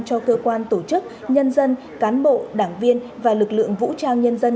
cho cơ quan tổ chức nhân dân cán bộ đảng viên và lực lượng vũ trang nhân dân